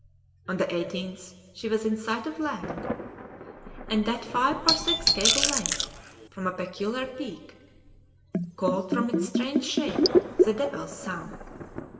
On the 18th she was in sight of land, and at five or six cable lengths from a peculiar peak, called from its strange shape the Devil's Thumb.